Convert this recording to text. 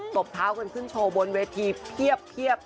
บเท้ากันขึ้นโชว์บนเวทีเพียบ